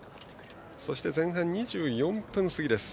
そして、前半２４分過ぎです。